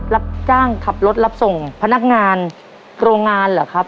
รับจ้างขับรถรับส่งพนักงานโรงงานเหรอครับ